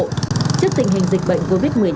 trước tình hình dịch bệnh covid một mươi chín